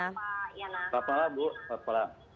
selamat malam bu